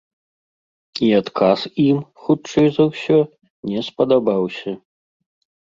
І адказ ім, хутчэй за ўсё, не спадабаўся.